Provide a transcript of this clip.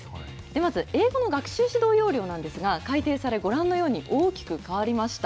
まず、英語の学習指導要領なんですが、改訂され、ご覧のように、大きく変わりました。